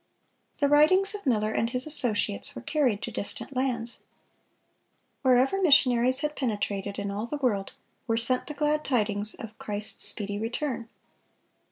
The writings of Miller and his associates were carried to distant lands. Wherever missionaries had penetrated in all the world, were sent the glad tidings of Christ's speedy return.